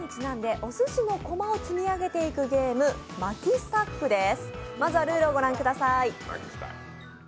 お寿司にちなんでお寿司の駒を積み上げていくゲーム「マキスタック」です。